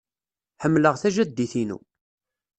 Ḥemmleɣ tajaddit-inu.